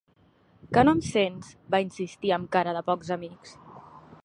Que no em sents? —va insistir amb cara de pocs amics.